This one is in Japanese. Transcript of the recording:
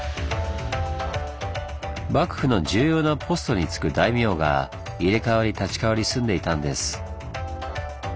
幕府の重要なポストにつく大名が入れ代わり立ち代わり住んでいたんです。